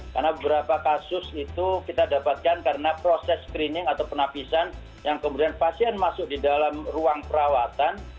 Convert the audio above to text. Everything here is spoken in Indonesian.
karena beberapa kasus itu kita dapatkan karena proses screening atau penapisan yang kemudian pasien masuk di dalam ruang perawatan